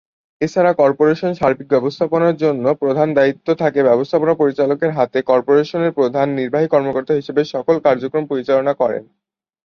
এছাড়া কর্পোরেশন সার্বিক ব্যবস্থাপনার জন্য প্রধান দায়িত্ব থাকে ব্যবস্থাপনা পরিচালকের হাতে কর্পোরেশনের প্রধান নির্বাহী কর্মকর্তা হিসেবে সকল কার্যক্রম পরিচালনা করেন।